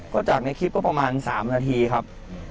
ก็จากในคลิปก็ประมาณ๓นาทีครับ